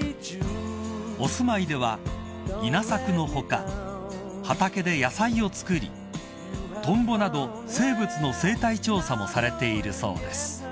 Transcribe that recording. ［お住まいでは稲作の他畑で野菜を作りトンボなど生物の生態調査もされているそうです］